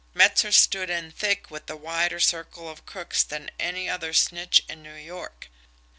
Metzer stood in thick with a wider circle of crooks than any other snitch in New York."